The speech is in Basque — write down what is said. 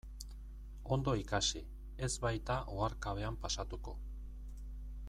Ondo ikasi, ez baita oharkabean pasatuko.